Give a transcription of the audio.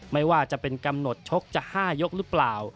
ไม่ว่าจะเป็นกำหนดชกจะ๕ยกหรือเปล่า